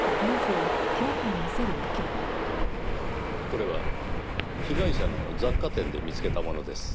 これは被害者の雑貨店で見つけたものです。